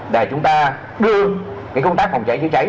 để chúng ta đưa công tác phòng cháy chữa cháy